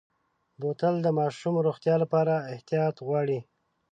بوتل د ماشومو روغتیا لپاره احتیاط غواړي.